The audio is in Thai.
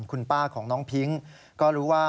คุณป้าของน้องพิ้งก็รู้ว่า